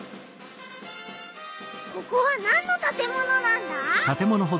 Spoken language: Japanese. ここはなんの建物なんだ？